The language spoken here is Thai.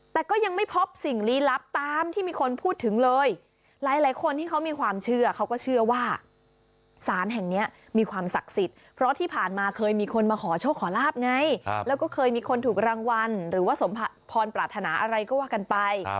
แต่ก็ยังไม่พบสิ่งลี้ลับตามที่มีคนพูดถึงเลยหลายคนที่เขามีความเชื่อเขาก็เชื่อว่าศาลแห่งนี้มีความศักดิ์สิทธิ์เพราะที่ผ่านมาเคยมีคนมาขอโชคขอลาบไงแล้วก็เคยมีคนถูกรางวัลหรือว่าสมพรปรารถนาอะไรก็ว่ากันไป